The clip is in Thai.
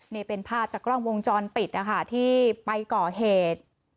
นี่เป็นภาพจากกล้องวงจรปิดนะคะที่ไปก่อเหตุ